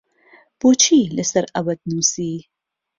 بۆچی لەسەر ئەوەت نووسی؟